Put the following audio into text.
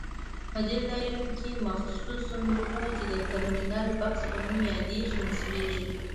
په دې ځایونو کې مخصوص صندوقونه چې د ټرمینل بکس په نوم یادېږي نصبېږي.